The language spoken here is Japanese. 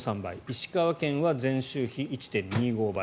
石川県は前週比１．２５倍。